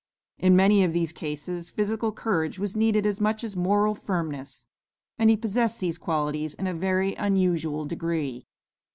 In many of these cases, physical courage was needed as much as moral firmness; and he possessed these qualities in a very unusual degree.